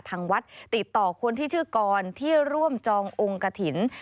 ทางวัดติดต่อคนที่ชื่อกรที่ร่วมจององค์กระถิ่น